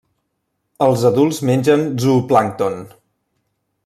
Els adults mengen zooplàncton.